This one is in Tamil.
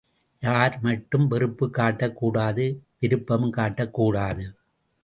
யார்மாட்டும் வெறுப்புக் காட்டக் கூடாது விருப்பமும் காட்டக்கூடாது.